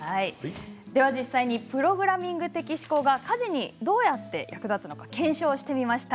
では実際にプログラミング的思考が家事にどうやって役立つのか検証してみました。